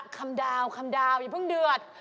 ต้องลุงอย่าเพิ่งเดือด